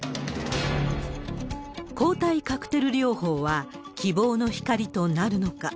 抗体カクテル療法は、希望の光となるのか。